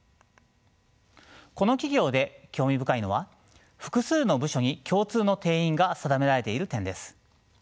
この企業で興味深いのは複数の部署に共通の定員が定められている点です。